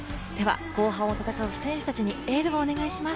後半を戦う選手たちにエールをお願いします。